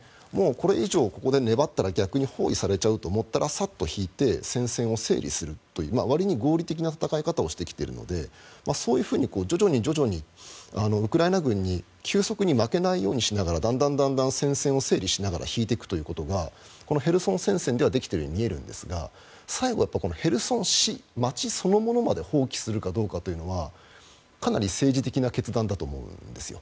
これ以上ここで粘ったら逆に包囲されちゃうと思ったらサッと引いて戦線を整理するというわりと合理的な戦い方をしてきているのでそういうふうに徐々にウクライナ軍に急速に負けないようにしながらだんだん戦線を整理しながら引いていくということがこのヘルソン戦線ではできているように見えるんですが最後はヘルソン市、街そのものまで放棄するかというのはかなり政治的な決断だと思うんですよ。